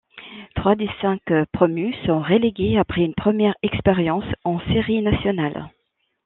Trois des cinq promus sont relégués après une première expérience en séries nationales.